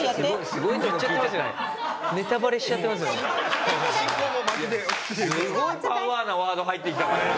すごいパワーなワード入ってきた。